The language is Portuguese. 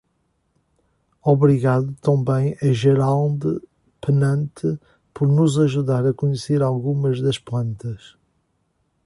Obrigado também a Gerald Pennant por nos ajudar a conhecer algumas das plantas.